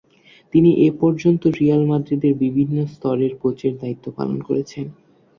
তিনি এপর্যন্ত রিয়াল মাদ্রিদের বিভিন্ন স্তরের কোচের দায়িত্ব পালন করেছেন।